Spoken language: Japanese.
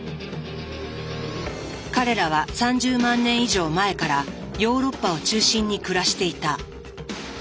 彼らは３０万年以上前からヨーロッパを中心に暮らしていた。